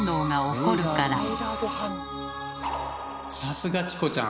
さすがチコちゃん！